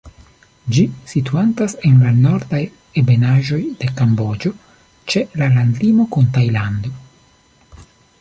Ĝi situantas en la nordaj ebenaĵoj de Kamboĝo, ĉe la landlimo kun Tajlando.